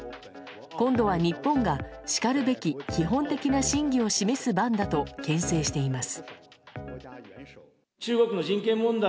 今度は日本がしかるべき基本的な信義を示す番だと牽制しています。